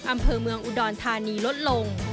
อำเภอเมืองอุดรธานีลดลง